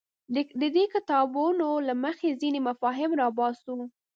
د دې کتابونو له مخې ځینې مفاهیم راوباسو.